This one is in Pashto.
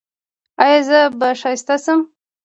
ایا زه به ښایسته شم؟